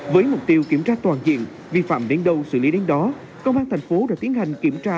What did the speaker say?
với mục tiêu kiểm tra toàn diện vi phạm đến đâu xử lý đến đó công an thành phố đã tiến hành kiểm tra